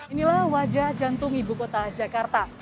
inilah wajah jantung ibu kota jakarta